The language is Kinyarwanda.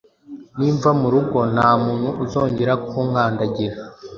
Nimva mu rugo, nta muntu uzongera kunkandagira